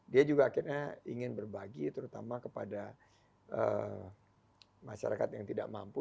dia juga akhirnya ingin berbagi terutama kepada masyarakat yang tidak mampu